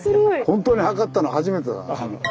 本当に測ったの初めてだな。